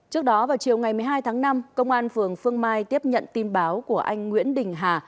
trước đó vào chiều ngày một mươi hai tháng năm công an phường phương mai tiếp nhận tin báo của anh nguyễn đình hà